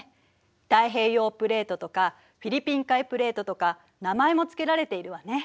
太平洋プレートとかフィリピン海プレートとか名前も付けられているわね。